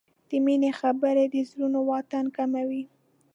د مینې خبرې د زړونو واټن کموي.